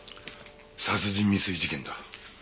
殺人未遂事件だ。